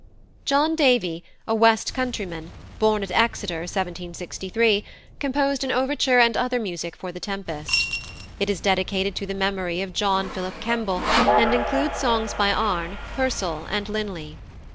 +John Davy+, a West countryman, born at Exeter, 1763, composed an overture and other music for The Tempest. It is dedicated to the memory of John Philip Kemble, and includes songs by Arne, Purcell, and Linley.